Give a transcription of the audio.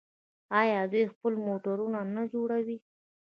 آیا دوی خپل موټرونه نه جوړوي؟